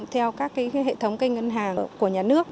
theo các hệ thống kênh ngân hàng của nhà nước